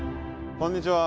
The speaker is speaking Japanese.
こんにちは。